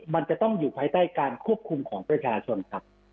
มันจะต้องอยู่ภายใต้การควบคุมของประชาชนครับ